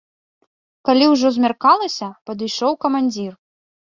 Калі ўжо змяркалася, падышоў камандзір.